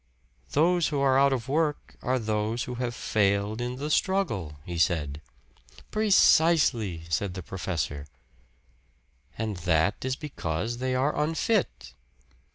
"Those who are out of work are those who have failed in the struggle," he said. "Precisely," said the professor. "And that is because they are unfit."